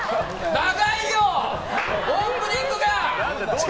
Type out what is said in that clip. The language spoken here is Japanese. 長いんだよオープニングが！